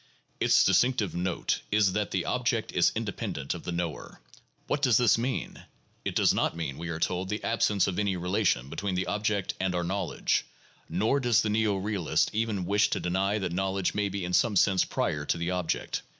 Its distinctive note is that the object is independent of the knower. What does this mean ? It does not mean, we are told, the absence of any relation between the object and our knowledge, nor does the neo realist even wish to deny that knowledge may be in some sense prior to the object.